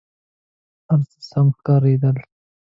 هر څه سم ښکارېدل.